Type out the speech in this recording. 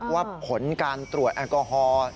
ว่าผลการตรวจแอลกอฮอล์